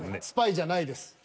スパイじゃないです。